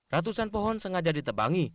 ratusan pohon sengaja ditebangi